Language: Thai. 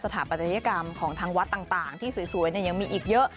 ถาปัตยกรรมของทางวัดต่างที่สวยยังมีอีกเยอะ